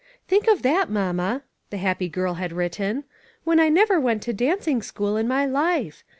" Think of that, mamma," the happy girl had written, "when I never went to danc ing school in my life.